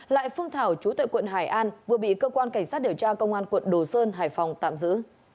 lại phương thảo chú tại quận hải an vừa bị cơ quan cảnh sát điều tra công an quận đồ sơn hải phòng tạm giữ